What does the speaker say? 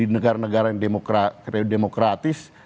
di negara negara yang demokratis